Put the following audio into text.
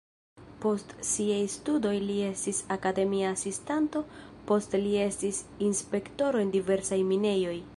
Post siaj studoj li estis akademia asistanto, poste li estis inspektoro en diversaj minejoj.